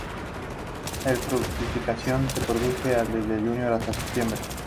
La fructificación se produce a desde junio hasta septiembre.